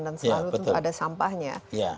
dan selalu ada sampahnya